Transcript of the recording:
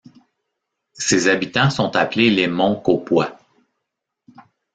Ses habitants sont appelés les Moncaupois.